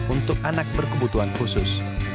untuk anak berkebutuhan khusus